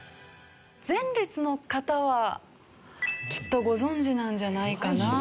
前列の方はきっとご存じなんじゃないかなと。